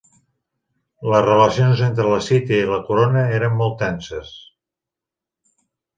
Les relacions entre la City i la Corona eren molt tenses.